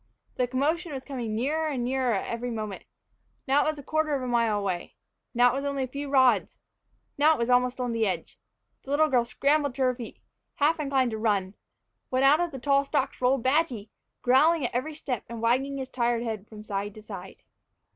The commotion was coming nearer and nearer every moment. Now it was a quarter of a mile away now it was only a few rods now it was almost on the edge. The little girl scrambled to her feet, half inclined to run, when out of the tall stalks rolled Badgy, growling at every step and wagging his tired head from side to side!